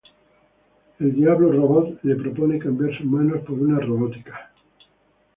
El Diablo Robot le propone cambiar sus manos por unas robóticas.